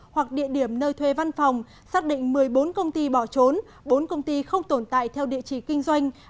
hoặc địa điểm nơi thuê văn phòng xác định một mươi bốn công ty bỏ trốn bốn công ty không tồn tại theo địa chỉ kinh doanh